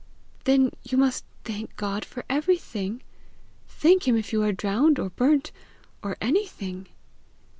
"Then you must thank God for everything thank him if you are drowned, or burnt, or anything!"